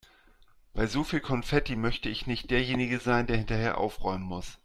Bei so viel Konfetti möchte ich nicht derjenige sein, der hinterher aufräumen muss.